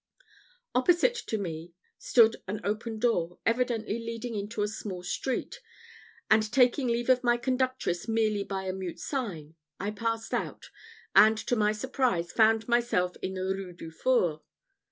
Opposite to me stood an open door, evidently leading into a small street; and taking leave of my conductress merely by a mute sign, I passed out, and to my surprise found myself in the Rue du Four.